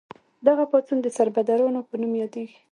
دغه پاڅون د سربدارانو په نوم یادیده.